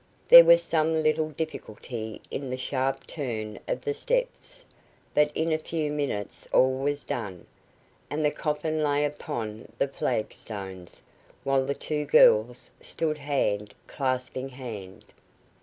There was some little difficulty in the sharp turn of the steps, but in a few minutes all was done, and the coffin lay upon the flagstones, while the two girls stood hand clasping hand.